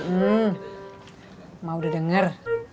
emang udah denger